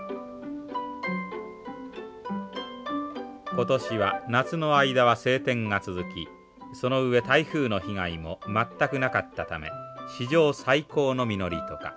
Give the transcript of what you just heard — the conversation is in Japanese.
今年は夏の間は晴天が続きその上台風の被害も全くなかったため史上最高の実りとか。